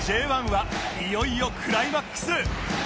Ｊ１ はいよいよクライマックス！